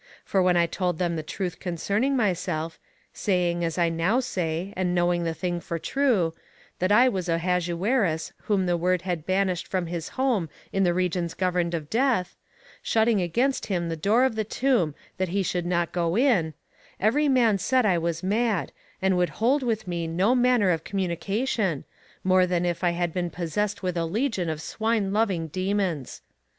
For when I told them the truth concerning myself, saying as I now say, and knowing the thing for true that I was Ahasuerus whom the Word had banished from his home in the regions governed of Death, shutting against him the door of the tomb that he should not go in, every man said I was mad, and would hold with me no manner of communication, more than if I had been possessed with a legion of swine loving demons.